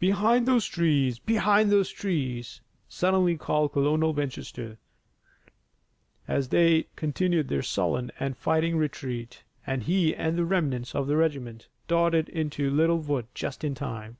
"Behind those trees! Behind those trees!" suddenly called Colonel Winchester as they continued their sullen and fighting retreat, and he and the remnants of his regiment darted into a little wood just in time.